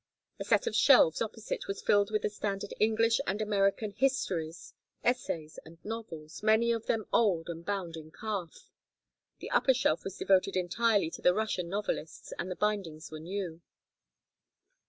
A set of shelves opposite was filled with the standard English and American histories, essays, and novels, many of them old and bound in calf. The upper shelf was devoted entirely to the Russian novelists, and the bindings were new.